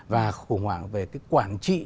và khủng hoảng về cái quản trị